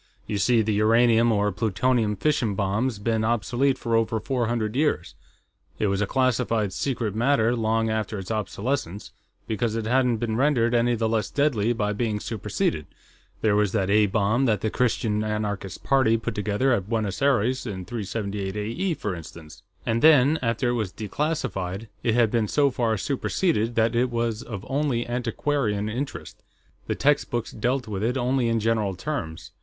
You see, the uranium or plutonium fission bomb's been obsolete for over four hundred years. It was a classified secret matter long after its obsolescence, because it hadn't been rendered any the less deadly by being superseded there was that A bomb that the Christian Anarchist Party put together at Buenos Aires in 378 A.E., for instance. And then, after it was declassified, it had been so far superseded that it was of only antiquarian interest; the textbooks dealt with it only in general terms.